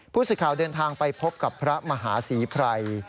ผู้สื่อข่าวเดินทางไปพบกับพระมหาศรีไพร